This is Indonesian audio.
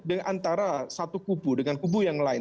antara satu kubu dengan kubu yang lain